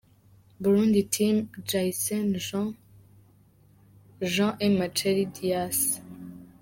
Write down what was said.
Burundi Team : Giessen Jean Jean& Maceri Diaz.